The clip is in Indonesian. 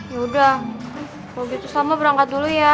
ya udah kalo gitu salma berangkat dulu ya